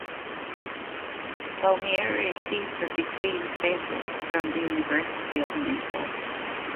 Palmieri received a degree in physics from the University of Naples.